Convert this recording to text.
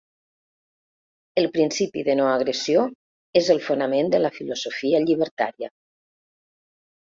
El principi de no-agressió és el fonament de la filosofia llibertària.